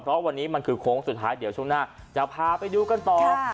เพราะวันนี้มันคือโค้งสุดท้ายเดี๋ยวช่วงหน้าจะพาไปดูกันต่อ